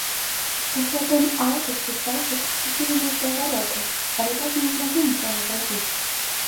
Пасля тайм-аўта швейцарцы прыціснулі нас да варотаў, але так і не змаглі нічога зрабіць.